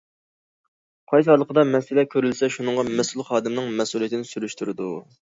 قايسى ھالقىدا مەسىلە كۆرۈلسە، شۇنىڭغا مەسئۇل خادىمنىڭ مەسئۇلىيىتىنى سۈرۈشتۈردى.